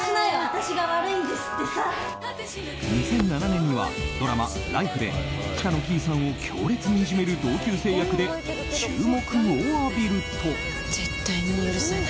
２００７年にはドラマ「ライフ」で北乃きいさんを強烈にいじめる同級生役で注目を浴びると。